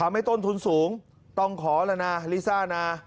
ถามให้ต้นทุนสูงต้องขอละนะลีซ่านะ